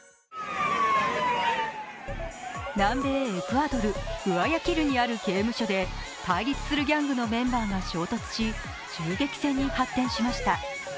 南米エクアドル、グアヤキルにある刑務所で対立するギャングのメンバーが衝突し、銃撃戦に発展しました。